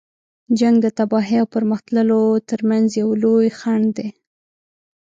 جنګ د تباهۍ او پرمخ تللو تر منځ یو لوی خنډ دی.